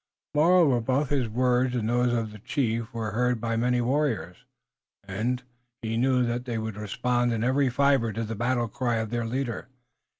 Moreover, both his words and those of the chief were heard by many warriors, and he knew that they would respond in every fiber to the battle cry of their leader.